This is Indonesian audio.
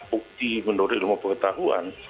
bukti menurut ilmu pengetahuan